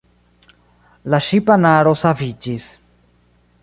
La ŝipanaro saviĝis.